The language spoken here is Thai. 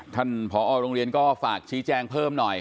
ท่านผอโรงเรียนก็ฝากชี้แจงเพิ่มหน่อย